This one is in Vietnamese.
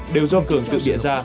đều do cường tự địa ra